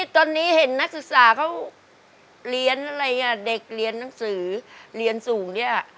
ตอนนี้เห็นนักศึกษาเขาเรียนอะไรอ่ะเด็กเรียนหนังสือเรียนสูงเนี่ย